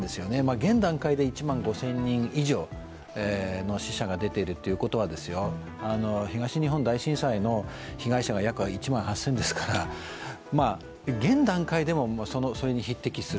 現段階で１万５０００人以上の死者が出ているということは東日本大震災の被害者が約１万８０００ですから、現段階でもそれに匹敵する。